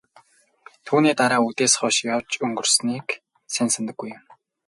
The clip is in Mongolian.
Түүний дараа үдээс хойш яаж өнгөрснийг сайн санадаггүй юм.